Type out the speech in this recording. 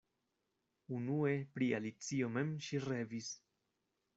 Unue pri Alicio mem ŝi revis.